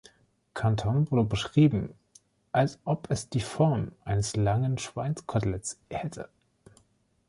Kanton wurde beschrieben, als ob es die Form eines langen Schweinskoteletts hätte.